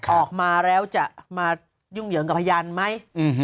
ออกมาแล้วจะมายุ่งเหยิงกับพยานไหม